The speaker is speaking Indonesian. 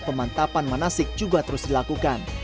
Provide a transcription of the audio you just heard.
pemantapan manasik juga terus dilakukan